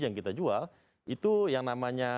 yang kita jual itu yang namanya